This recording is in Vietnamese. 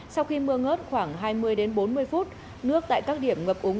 sau khi mưa ngớt khoảng hai mươi bốn mươi phút nước tại các điểm ngập úng